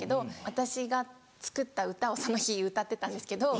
私が作った歌をその日歌ってたんですけど。